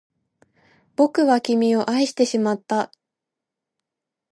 僕は君を愛してしまった